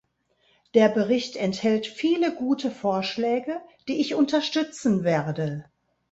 Der Bericht enthält viele gute Vorschläge, die ich unterstützen werde.